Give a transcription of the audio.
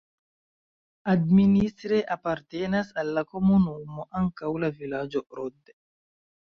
Administre apartenas al la komunumo ankaŭ la vilaĝo Rod.